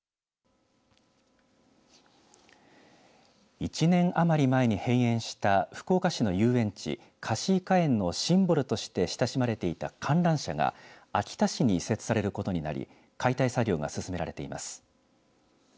１年余り前に閉園した福岡市の遊園地かしいかえんのシンボルとして親しまれていた観覧車が秋田市に移設されることになり解体作業が進められています。